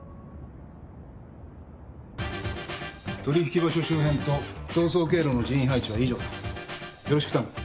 取引場所周辺と逃走経路の人員配置は以上だ。